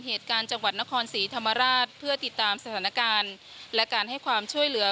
จังหวัดนครศรีธรรมราชเพื่อติดตามสถานการณ์และการให้ความช่วยเหลือ